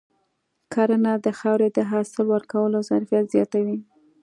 کرنه د خاورې د حاصل ورکولو ظرفیت زیاتوي.